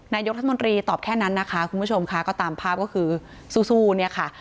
นายกรัฐมนตรีตอบแค่นั้นนะคะคุณผู้ชมค่ะก็ตามภาพก็คือสู้เนี่ยค่ะ